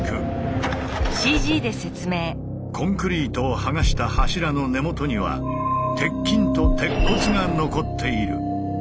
コンクリートを剥がした柱の根元には鉄筋と鉄骨が残っている。